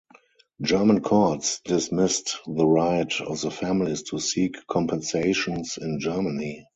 German courts dismissed the right of the families to seek compensations in Germany.